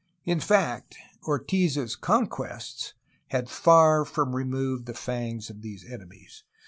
In fact Ortiz's ''conquest" (?) had far from removed the fangs of these enemies.